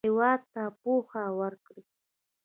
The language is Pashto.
هېواد ته پوهه ورکړئ